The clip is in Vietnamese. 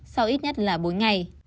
sau ít nhất là bốn ngày